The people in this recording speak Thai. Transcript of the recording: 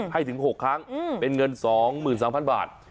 ให้ถึง๖ครั้งเป็นเงิน๒๓๐๐บาท